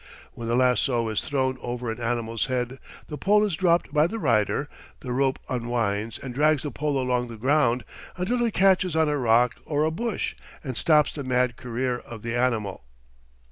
When the lasso is thrown over an animal's head the pole is dropped by the rider, the rope unwinds and drags the pole along the ground, until it catches on a rock or a bush and stops the mad career of the animal.